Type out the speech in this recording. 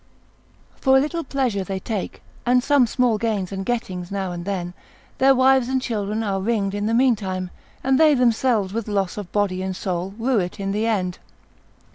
For a little pleasure they take, and some small gains and gettings now and then, their wives and children are ringed in the meantime, and they themselves with loss of body and soul rue it in the end.